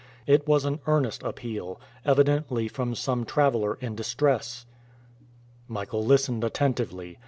It was an earnest appeal, evidently from some traveler in distress. Michael listened attentively.